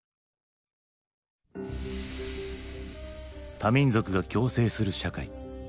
多民族が共生する社会。